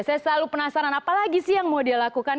saya selalu penasaran apalagi sih yang mau dia lakukan